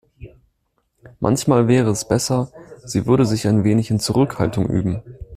Manchmal wäre es besser, sie würde sich ein wenig in Zurückhaltung üben.